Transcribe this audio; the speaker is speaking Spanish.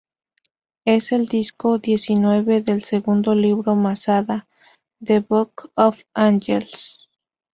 Es el disco diecinueve del segundo libro Masada, ""The Book of Angels"".